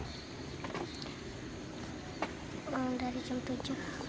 dari jam tujuh